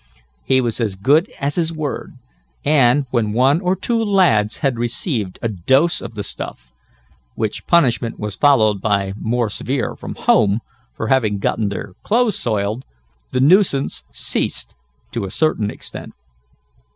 He was as good as his word, and, when one or two lads had received a dose of the stuff, which punishment was followed by more severe from home, for having gotten their clothes soiled, the nuisance ceased, to a certain extent.